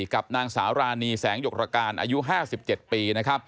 กับนางสาราณีแสนยกตรการ๕๗ปี